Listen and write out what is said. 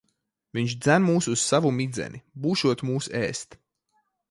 Viņš dzen mūs uz savu midzeni. Būšot mūs ēst.